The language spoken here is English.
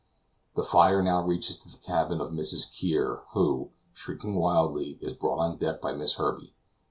The fire now reaches to the cabin of Mrs. Kear, who, shrieking wildly, is brought on deck by Miss Herbey.